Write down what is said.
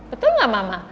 betul gak mama